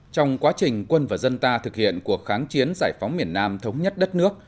trong quá trình quân và dân ta thực hiện cuộc kháng chiến giải phóng miền nam thống nhất đất nước